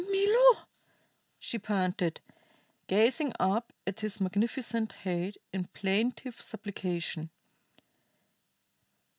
"Milo!" she panted, gazing up at his magnificent height in plaintive supplication.